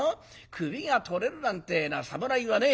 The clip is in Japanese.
首が取れるなんてえのは侍はね